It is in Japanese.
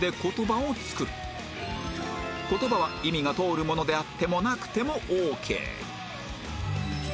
言葉は意味が通るものであってもなくてもオーケー